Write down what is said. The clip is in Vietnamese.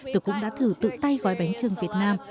tôi cũng đã thử tự tay gói bánh trưng việt nam